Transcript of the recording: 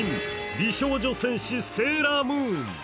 「美少女戦士セーラームーン」。